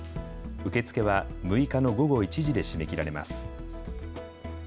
受け付けは６日の午後１時で締め切られます。